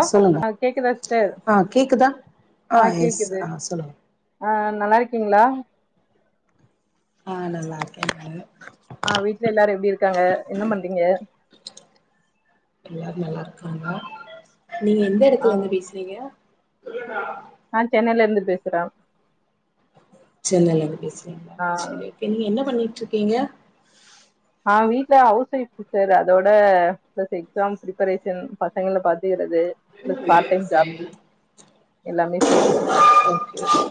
ஓ சொல்லுங்க அ கேக்குதா ஸ்டர் ஆ கேக்குதா ஆ எஸ் கேக்குது ஆ சொல்லுங்க ஆ நல்லாருக்கீங்களா ஆ நல்லாருக்கே நானு ஆ வீட்ல எல்லாரு எப்டி இருக்காங்க என்ன பண்றீங்க எல்லாரு நல்லா இருக்காங்கா நீங்க எந்த எடத்துல இருந்து பேசுறீங்க ஆ சென்னைல இருந்து பேசுற சென்னைலருந்து பேசுறீங்களா சரி நீங்க என்ன பண்ணிட்டு இருக்கீங்க ஆ வீட்ல ஹவுஸ் வொயிஃப் சிஸ்டர் அதோட பிளஸ் எக்ஸாம் பிரிப்பரேஷன் பசங்கள பாத்துக்கிற து ப்ளஸ் பார்ட் டைம் ஜாப் எல்லாமே சேத்துதா ஓகே ஓகே.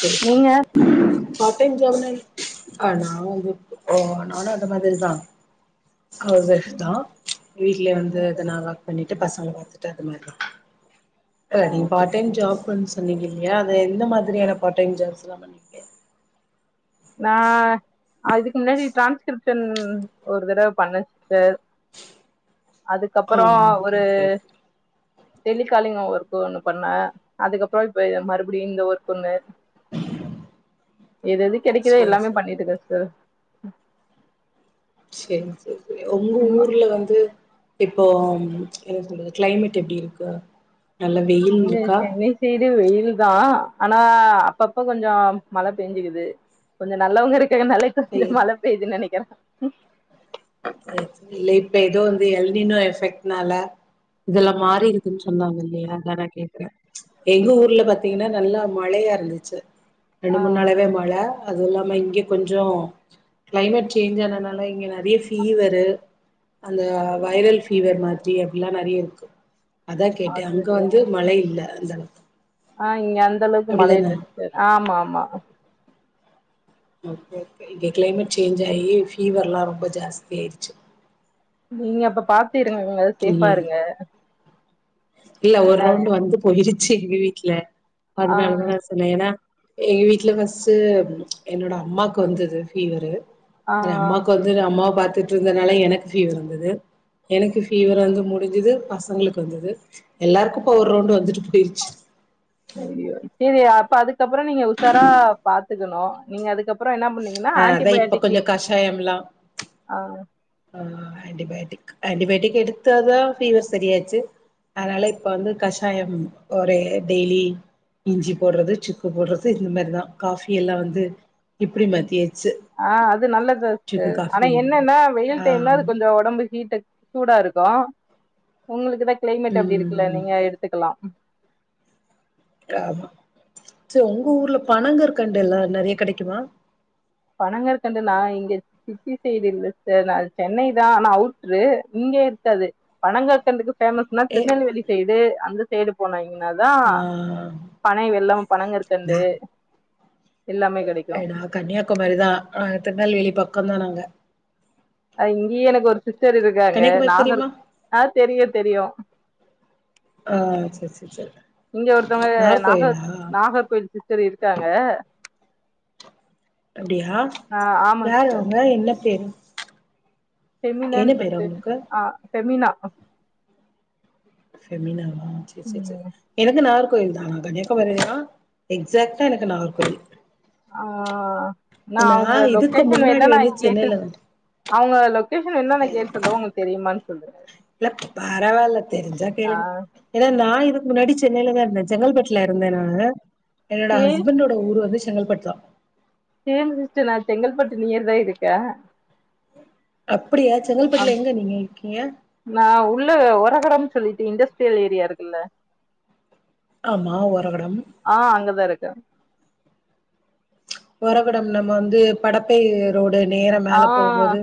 சரி சரி நீங்க சரி பார்ட் டைம் ஜாப் னா ஆ நா ஓ நானு அந்த மாதிரி தா அவிஷ் தா வீட்லயே வந்து அத நா ஒர்க் பண்ணி பசங்கள பாத்துட்டு அது மாரிதா அ ஆ நீங்க ஓகே பார்ட் டைம் ஜாப் னு சொன்னீங்க இல்லையா அது எந்த மாதிரியான பார்ட் டைம் ஜாப்ஸ் எல்லா பண்ணீங்க நா இதுக்கு முன்னாடி டிரான்ஸ்கிரிப்ஷன் ஒரு தடவ பண்ண சிஸ்டர் ஆ அதுக்கப்பற ஓகே ஒரு ஓகே ஓகே டெலிகாலிங்க ஒர்க்கு ஒண்ணு பண்ண அதுக்கப்பற இப்ப மறுபடியு இந்த ஒர்க் ஒண்ணு எது எது கெடைக்குதோ சேரி எல்லாமே சேரி பண்ணிட்டு இருக்க சிஸ்டர் ம் சேரி சேரி சேரி உங்க ஊர்ல வந்து இப்போ என்ன சொல்றது கிளைமேட் எப்டி இருக்கு நல்ல வெயில் இருக்கா இங்க வெயில்தா ஆனா அப்பப்ப கொஞ்ச மழ பேஞ்சுக்குது கொஞ்ச நல்லவங்க இருக் தே என்ன அழைக்க இந்த இல்ல மழ பெய்துன் நெனைக்கிற ம் [unintelligible] இல்ல இப்ப எதோ வந்து எல்னினோ எஃபெக்னால இதெல்லா மாறி இருக்குன்னு சொன்னாங்க இல்லையா அதா நா கேக்குற எங்க ஊர்ல பாத்தீங்கன்னா நல்லா மழை வியா இருந்துச்சு ரெண்டு ஆ மூண் நாளவே மழ அதுவுல்லாம இங்க கொஞ்சோ க்ளைமேட் சேஞ்ச்சானனால இங்க நெறிய ஃப் ஃபீவர்ரு அந்த ஐயோ வைரல் ஃபீவர் மாரி அப்டிலா நெறய இருக்கு அதா கேட்டே அது அங்க வந்து மழை இல்ல அந்தளவுக் அ இங்க அந்தளவுக்கு மழ இல்ல சிஸ்டர் ஆமா ஆமா ஓகே ஓகே இங்க க்ளைமேட் சேஞ்ச் ஆயி ஃபீவர்ல்லா ரொம்ப ஜாஸ்தி ஆய்டிச்சு நீங்க அப்ப பாத்து இருங்கங்க சேஃபா ம் இருங்க இல்ல ஒர் ஏன்னா ரவுண்டு வந்து போயிருச்சி எங்க வீட்ல ஆ அதனாலதா நா சொன்ன ஏனா எங்க வீட்ல பஸ்ஸு என்னோட அம்மாக்கு வந்தது ஃபீவரு ஆ அ எ அம்மாவ்க் வந்திந்த அம்மாவ பா தொட்டுருந்ததுனால எனக்கு ஃபீவர் வந்தது எனக்கு ஃபீவர் வந்து முடிஞ்சுது பசங்களுக்கு வந்தது எல்லாருக்கும் இப்போ ஒரு ரவுண்டு வந்துட்டு போயிருச்சு சேரி அப்ப அதுக்கப்புற நீங்க உஷாரா பாத்துக்கணு நீங்க அதுக்கப் அப்றோ என்னா பண்ணீங்கன்னா ஆ அதா இப்ப ஆன்டிபயாட்டிக் கொஞ்ச கஷாயம்லா அ ஆ ஆன்டிபயாட்டிக் ஆன்டிபயோட்டிக் எடுத்தாதா ஃபீவர் செரியாச்சு அதனால இப்ப வந்து கஷாயம் ஒரே டெய்லி இஞ்சி போடுறது சுக்கு போடுறது இந்த மாரிதா காஃபி எல்லா வந்து இப்படி மா ஆ அது நல்லது சிஸ்டர் ஆனா காஃபி என்னன்னா வெயில் டைம்ல அது ஆமா கொஞ்ச உடம்பு ஹீட் சூடா இருக்கு கோ உங்களுக்குதா க்ளைமேட் அப்டி இருக்குல்ல ம் நீங்க எடுத்துக்கலா ஆமா சரி உங்க ஊர்ல பணங்கற்கண்டு எல்லா நெறையா கடைக்குமா பணங்கற்கண்டு நா இங்க சிட்டி சைடு இல்ல ச நான் சென்னை தான் ஆனா அவுட்ரு இங்க இருக்காது பணங்கற்கண்டுக்கு பேமஸ்னா ஏ திருநெல்வேலி சைடு அந்த சைடு போனாங் என்ன தான் ஆ பனை வெல்லம் நா பணங்கற்கண்டு எல்லாமே கடைக்கு பக்கம் மாரிதான் நா திருநெல்வேலி பக்கம் தான் நாங்க அ இங்கேயு எனக்கு ஒரு சிஸ்டர் இருக்காங்க கன்னியாகுமரி நாகர் தெரியுமா ஆ தெரியு தெரியு ஆ செரி செரி செரி இங்க ஒருத்தவங்க நாகர் நாகர்கோவில் சிஸ்டர் இருக்காங்க அப்படியா ஆ ஆமா சிஸ்டர் யாரு அவுங்க என்ன பேரு என்ன பெமினான்னு பேரு சொல்டு அவங்களுக்கு ஆ பெமினா பெமினவா சேரி சேரி சேரி இது வந்து நார் கோயில் தான் கன்னியாகுமாரி தா எக்சாக்ட்டா எனக்கு நாகர் கோயில் ஆ நா அவங்க இதுக்கு லொகேஷன் முன்னாடி வேன்ணா நா வந்து கேட்டு சென்னையில தா அவங்க லொகேஷன் வெண்னா கேட்டு சொல்ற உங்களுக்கு தெரியுமான்னு சொல்லுங்க இல்ல பரவால்ல தெரிஞ்சா ஆ கேளுங்க ஏன்னா நா க்கு முன்னாடி சென்னையில தா இருந்தே செங்கல்பட்டுல இருந்தே நானு என்னோட சேரி ஹஸ்பண்டோட ஊர் வந்து செங்கல்பட்தா சேரி சிஸ்டர் நான் செங்கல்பட்டு நியர் தான் இருக்கே அப் அம் ஆ நா உள்ள ஒரகடம் சொல்லிட்டு இண்டஸ்ட்ரியல் ஏரியா இருக்குல்ல மா ஒரகடம் ஆ அங்கதா இருக்க ஒரகடம் நம்ம வந்து படப்பை ரோடு நேரா ஆ மேல போம்போது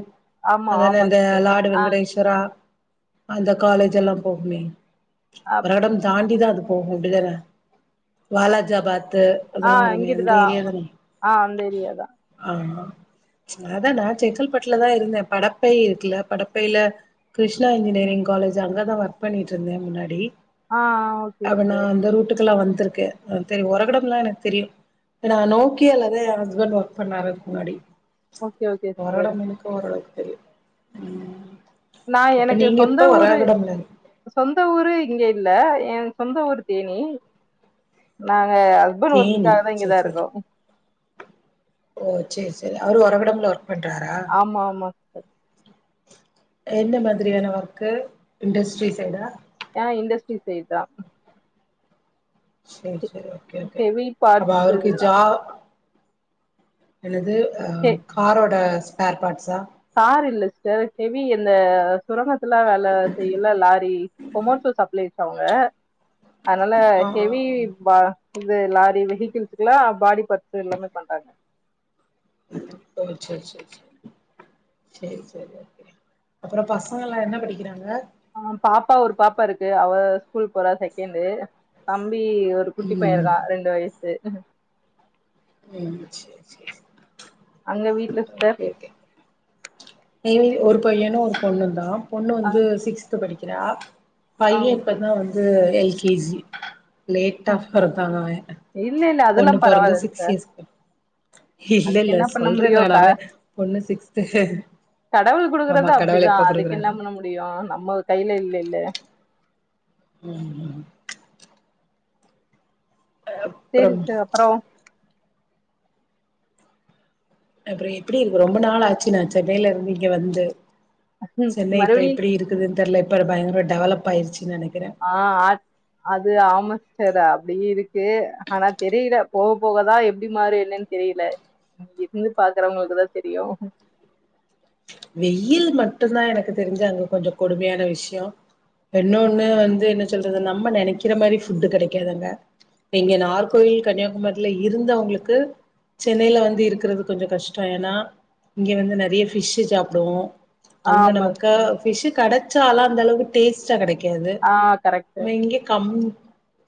ஆமா அதான ஆமா இந்த சிஸ்டர் லாடு ஆ வெங்கடேஸ்வரா அந்த காலேஜ் எல்லா போகுமே அப் ஒரகடம் தாண்டிதா போகு அப்டிதான வாலாஜாபாத் ஆ அதெல்லா வருமே அந்த இங்கிட்டுதா ஏரியா தான ஆ அந்த ஏரியாதா ஆமா அதா நா செங்கல்பட்டுல தா இருந்த படப்பை இருக்குல படப்பையில கிருஷ்ணா இன்ஜினியரிங் காலேஜ் அங்க தா ஒர்க் பண்ணிட்டு இருந்தே முன்னாடி ஆ ஓகே அப்ப நா சிஸ்டர் அந்த ரூட்டுக்குெல்லாம் வந் தருக்கே தெரி ஒறகடம் எல்லாம் எனக்கு தெரியும் நா நோக் குக்கியல்லதா எ ஹஸ்பண்ட் ஒர்க் பண்ணாரு முன்னாடி ஓகே ஓகே சிஸ்டர் உரடம் முளுக்க ஓரலவுக் நா இப்ப எனக்கு நீங்க சொந்த இப்ப ஊரு வராகடம்ல சொந்த ஊரு இங்க இல்ல என் சொந்த ஊர் தேனி நா ங்க ஹஸ்பண்ட் தேனி ஒர்குக்காக தா சேரி இங்கதா சேரி இருக்கோ ஓ செரி செரி அவரு ஒரகடம்ல ஒர்க் பண்றாரா ஆமா ஆமா என்ன மாதிரியான ஒர்க்கு இண்டஸ்ட்ரி சைடா அ இண்டஸ்ட்ரி சைட் தா சரி சரி ஓகே ஓகே ஹெவி அப்ப பார்ட்ஸ் அவருக்கு இதுதான். ஜா எனது ஹெ காரோட ஸ்பேர் பார்ட்ஸா கார் இல்ல சிஸ்டர் ஹெவி எந்த சுரங்கத்துல வேல செய்ல லாரி பொமோசோ சப்ளைஸ் அவுங்க அனால ஆ ஆ ஆ ஹெவி பா இது லாரி வெஹிகிள்ஸூக்லா பாடி பார்ட்ஸ் எல்லாமே பண்றாங்க ஓ செர் செர் செ செரி செரி ஓகே அப்றோ பசங்கல்லா என்ன படிக்கிறாங்க ஆ பாப்பா ஒரு பாப்பாருக்கு அவ ஸ்கூல் போறா செகண்டு தம் பி ஒரு குட்டி ம் பையருக்கா ரெண்டு வயசு ம் செர் செ அங்க வீட்ல ஸ்டர் எனக் ஒரு பையனூ ஒரு பொண்ணுந்தா பொண்ணு ஆ வந்து சிக்ஸ்த்து படிக்கிறா ஆ பைய ஓகே. இப்பதா வந்து எல் கே ஜி லேட்டா பொறந்தாவவ இல்ல இல்ல பொண்ணு அதெல்லாம் பொறந்து பரவாயில்ல சிக்ஸ் சிஸ்டர். இயர்ஸ்க்கப் அதுக்கு இல்லல்ல என்ன பண்ண சொல்றே முடியும்? க நானாவே பொண்ணு சிக்ஸ்த்து கடவுள் குடுக்றது அப்டிதா அதுக்கு என்ன பண்ண முடியூ நம்ம கையில இல்லில்ல ம் ம் செரி அப்புறம் ஸ்டர் அப்புறோ அப்றோ எப்டிருக்கு ரொம்ப நாளாச்சு நா சென்னையிலர்ந்து இங்க வந்து சென்னை இப்ப மறுபடி எப்டி இருக்குதுன் தெர்ல இப்ப பயங்கர டெவலப்பாயிருச் ஆ அத் அது ஆமா ஸ் ஸ்டர் அப்டீ இருக்கு ஆனா தெரில போக போகதா எப்டி மாறு என்னன் தெரில இங்க இருந்து பாக்குறவங்களுக்குதா தெரியூ வெயில் மட்டுந்தா எனக்கு தெரிஞ்சு அங்க கொஞ்சோ கொடுமையான விஷ்யோ இன்னொன்னு வந்து என்ன சொல்றது நம்ம நெனைக்கிற மாரி ஃபுட்டு கெடைக்காது அங்க இங்க நார்கோயில் கன்னியாகுமரில இருந்தவங்குளுக்கு சென்னையில வந்து இருக்கிறது கொஞ்சோ கஷ்டோ ஏனா இங்க வந்து நறைய ஃபிஷ்ஷிர் கு அப்றோ அங்க ஆமா நமக்க ஃபிஷ்ஷு கெடைச்சாலு அந்தளவுக்கு டேஸ்டா கெடைக் க்கேது ஆஹ் கரெக்ட் நம்ம இங்க கம்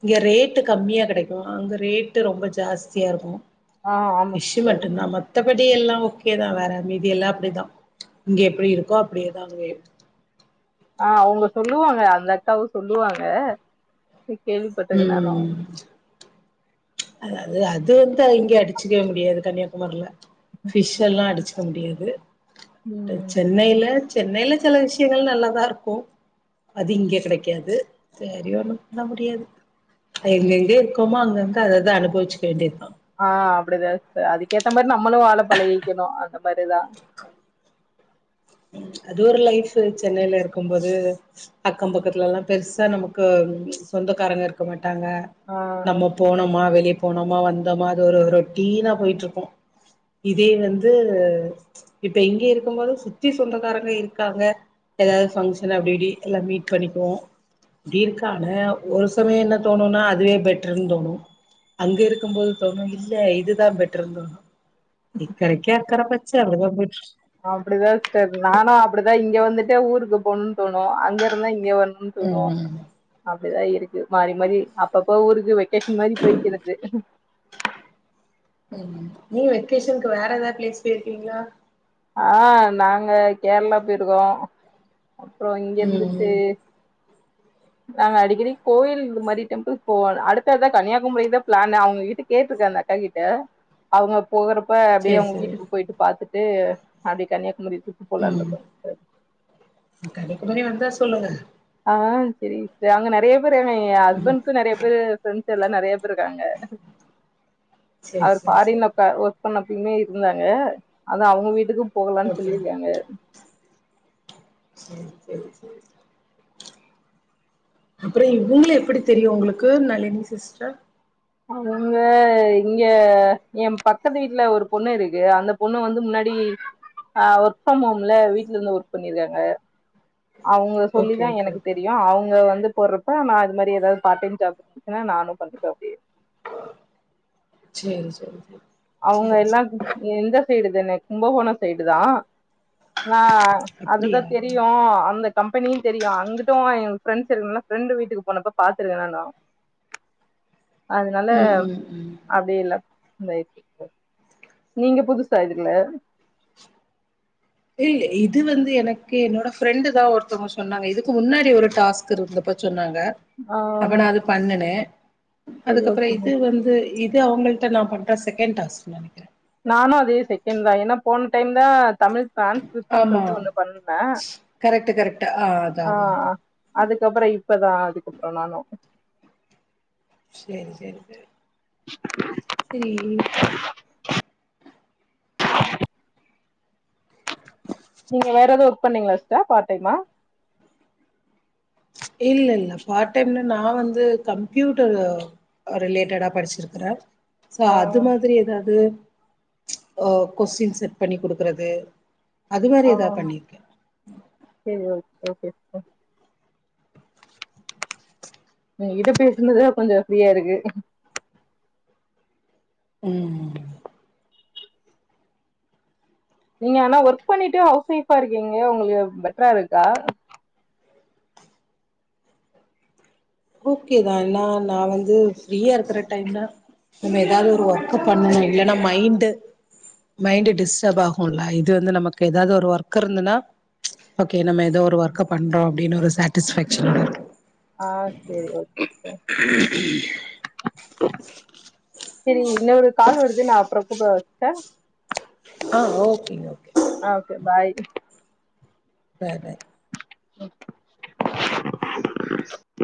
இங்க ரேட்டு கம்மியா கெடைக்கூ அங்க ரேட்டு ரொம்ப ஜாஸ்தியார்க்கூ ஆஹ் ஆமா ஃபிஷ்ஷு சிஸ்டர் மட்டுந்தா மத்தபடி எல்லா ஓகேதா வேற மீதி எல்லா அப்டிதா இங்க எப்டிருக்கோ அப்டியேதா அங்கயு ஆ அவுங்க சொல்லுவாங்க அந்தக்காவூ சொல்லுவாங்க எ கேள்விப்பட்டுக்கே நானூ ம் அதாது அது வந்து இங்கே அடிச்சுக்வே முடியாது கன்னியாகுமரில ஃபிஷ் எல்லா அடிச்சு க முடியாது உம் சென்னைல சென்னைல செல விஷய்ங்கள் நல்லாதார்க்கூ அது இங்க கெடைக்காது செரி ஒன்னும் பண்ண முடியாது எங்கெங்க இர்க்கோமோ அங்கங்க அதத அனுபவிச்சிக்க வேண்டியதா ஆ அப்டிதா ஸ்டர் அதுக்கேத்த மாரி நம்மளு வாழ பழகிக்கிணு அந்த மாரிதா [unintelligible] அது ஒரு லைஃப் சென்னைலருக்கும் போது அக்கம் பக்கத்துலலா பெருசா நமக்கு சொந்தக்காரங்க இருக்க மாட்டாங்க ஆஹ் நம்ம போனோமா வெளிய போனோமா வந்தோமா அது ஒரு ரொட்டீனா போயிட்ருப்போ இதே வந்து இப்ப இங்க இருக்கும்போது சுத் த்தி சொந்தக்காரங்க இருக்காங்க எதாவு ஃபங்க்ஷன் அப்டிப்டி எல்லா மீட் பண்ணிக்குவோ இப்டி இருக்கான ஒரு சமய என்ன தோணுனா அதுவே பெட்டர்ன் தோணூ அங்கருக்கும் போது தோணூ இல்ல இதுதான் பெட்டர்ன் தோணூ போயிட்ருக்கு அப்பிடிதா ஸ்டர் நானு அப்பிடிதா இங்க வந்துட் டா ஊருக்கு போணூன் தோணு அங்கருந்தா இங்க வர்ணூன் தோணு ம் ப்டிதா இருக்கு மாறி மாறி அப்பப்ப ஊருக் கு வெக்கேஷன் மாரி போயக்கிறது கேஷன்கு வேறெதா ப்ளேஸ் போயிருக்கீங்ளா ஆ நாங்க கேர்ளா போயிருக்கோ அப்றோ இங்க ம் இருந்துட்டு ம் நாங்க அடிக்கடி கோவில் இந்த மாரி டெம்பிள்ஸ் போவோ அடுத்ததா கன்னியாகுமரிக்கு தா பிளானு அவ்ங்க கிட்ட கேட்ருக் கு அந்த அக்கா கிட்ட அவ்ங்க போகறப் ப்ப அப்டியே சேரி அவ்ங்க சேரி வீட்டுக்கு போயிட்டு பாத்துட்டு அப்டியே கன்னியாகுமரி ட்ரிப் போலான்னு ம் இருக்கோ ம் கன்னியாகுமரி வந்தா சொல்லுங்க ஆ செரி ஏ அங்க நெறைய பேரு என்ன எ ம் ஹஸ்பண்ட்க்கு நெறைய பேரு ஃப்ரெண் ஸெல்லா நெறைய பேரு இருக்காங்க சேரி அவரு சேரி சேரி ஃபாரின்லப்ப ஓ பண்ணப்பயுமே இருந்தாங்க அதா அவ்ங்க வீட்டுக்கு போகலானு ஓகே சொல்லிருக்காங்க சேரி சேரி சேரி அப்றோ இவுங்கள எப்டி தெரியு ஒங்களுக்கு நளினி சிஸ்ட்ர அவுங்க இங்கெ எம் பக்கத்து வீட்ல ஒரு பொண்ணு இருக்கு அந்த பொண்ணு வந்து முன்னா டி ஆ ஒர்க் பண்ணுவோம்ல வீட்ல இருந்து ஒர்க் பண்ணிருக்காங்க அவ்ங்க சொல்லி ஓகே தா ஓகே எனக்கு ஓகே தெரியு அவ்ங்க வந்து போட்றப்ப நா இது மாரி எதாவ்து பார் டைம் ஜாப்பு இருந்துச்சுா நானு பண்ணிப்பாப்பே சேரி சேரி சேரி அவ்ங்க சேரி எல்லா சேரி ம் இந்த சைடு தானே கும்பகோண சைடு தா வா ஆ அதுதா அப்படியா தெரியு அந்த கம்பெனியு தெரியு அங்குட்டு எ ப்ஃரெண்ட்ஸ் இருக்கனால ஃப்ரெண்டு வீட்டுக்கு போனப்ப பாத்துருக்கே நானு அதுனால ம் ம் ம் அப்டி இல்ல இந்த நீங்க புதுசா இதுல இல் இது வந்து எனக்கு என்னோட ஃப்ரெண்டு் தா ஒருத்தவ்ங்க சொன்னாங்க இதுக்கு முன்னாடி ஒரு டாஸ்க் இருந்தப்ப சொன்னாங் க ஆ அப்ப நா அது பண்ணுனே சரி அதுக்கப்ற ஓகேங்க. இது வந்து இத் து அவ்ங்கள்ட நா பண்ற செகண்ட் டாஸ்க்னு நெனைக்கிறே நானு அதே செகண்ட் தா ஏனா போன டைம் தா தமிழ் டிரான்ஸ்கிரிப்ஷன்னு ஆமா சொல்ட்டு ஒன்னு பண்ணுனே கரெக்ட் கரெக்ட் அதா ஆ அதா ஆ அதா அதுக்கப்பற இப் இப்பதா அதுக்கப்ற நானு சேரி சேரி சேரி செரி [unintelligible] நீங்க வேற எது ஒர்க் பண்ணீங்ளா சிஸ்டர் பார் டைமா இல்ல இல்ல பார்ட் டைம்ல நா வந்து கம்ப்யூட்டரு ஆ ரிலேட்டடா படிச்சிருக்குறே சோ ஆ அது மாதிரி எதாவ்து ஓ கொஸ்டின் செட் பண்ணி குடுக்கிறது அது மாரி ஆ எதா பண்ணிருக்கே சரி ஓகே சிஸ்டர் உங்க கிட்ட பேசுனதுல கொஞ்ச ஃப்ரீயா இருக்கு ம் நீங்க ஆனா ஒர்க் பண்ணிட்டே ஹவுஸ் ஒய்ஃபா இருக்கீங்க ஒங்களுக்கு பெட்ரா இருக்கா ஓகேதா எல்லா நா வந்து ஃப்ரீயா இருக்குற டைம் தா நம்ம எதாவ்து ஒரு ஒர்க்கு பண்ணனு இல்லனா மைண்டு மைண்டு டிஸ்டர்ப் ஆகுல இத் இது வந்து நமக்கு எதாவ்து ஒரு ஒர்க்கர் இருந்துனா ஓகே நம்ம எதோ ஒரு ஒர்க்க பண்றோ அப்டின்னு ஒரு சாட்டிஸ்ஃபேக்ஷன் இருக்கு ஆ சேரி ஓகே சிஸ்டர் சேரி உன்னொரு கால் வருது நா அப்ற கூப்டவா சிஸ்டர் ஆ ஓகேங்க ஓகே ஆ ஓகே பாய் பாய் பாய்